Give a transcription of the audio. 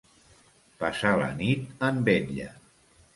Passar la nit en vetlla.